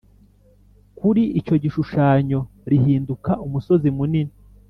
kuri icyo gishushanyo rihinduka umusozi munini